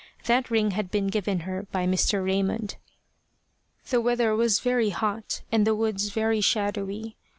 That ring had been given her by Mr. Raymond. The weather was very hot, and the woods very shadowy.